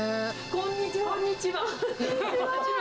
こんにちは。